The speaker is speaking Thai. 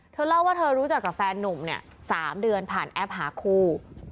เธอเล่าว่าเธอรู้จักกับแฟนนุ่มเนี่ย๓เดือนผ่านแอปหาคู่